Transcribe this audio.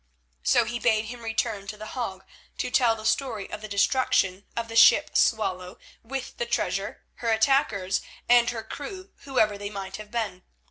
So he bade him return to The Hague to tell the story of the destruction of the ship Swallow with the treasure, her attackers and her crew, whoever they might have been.